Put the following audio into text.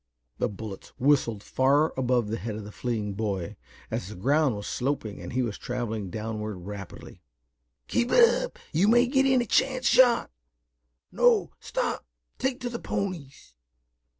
Their bullets whistled far above the head of the fleeing boy, as the ground was sloping and he was traveling downward rapidly. "Keep it up. You may get in a chance shot. No, stop. Take to the ponies."